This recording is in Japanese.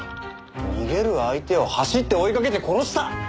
逃げる相手を走って追いかけて殺した！